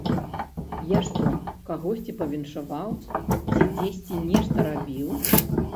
Я што, кагосьці павіншаваў ці дзесьці нешта рабіў?!